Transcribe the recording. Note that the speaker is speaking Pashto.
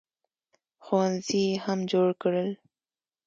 ښوونځي یې هم جوړ کړل.